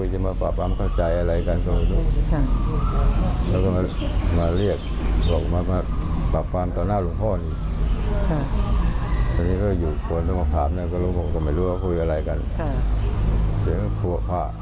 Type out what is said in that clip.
ให้ออกจากวัดไปทั้งคู่เลยจะมีการไปแจ้งความอะไรกันก็เป็นเรื่องของเขาไปใช่ไหมครับ